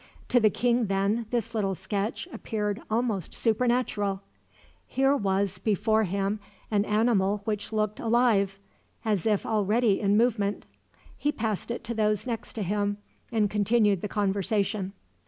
To the king, then, this little sketch appeared almost supernatural. Here was before him an animal which looked alive, as if already in movement. He passed it to those next to him, and continued the conversation.